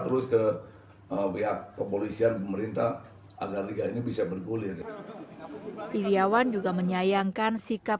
terus ke pihak kepolisian pemerintah agar liga ini bisa bergulir iryawan juga menyayangkan sikap